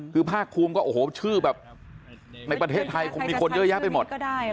คือภาคภูมิก็โอ้โหชื่อแบบในประเทศไทยคงมีคนเยอะแยะไปหมด